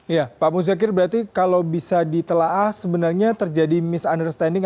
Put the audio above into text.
iya pak musyakir berarti kalau bisa ditelaah sebenarnya terjadi misunderstanding